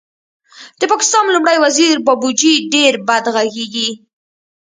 د پاکستان لومړی وزیر بابوجي ډېر بد غږېږي